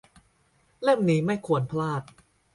- เล่มนี้ไม่ควรพลาด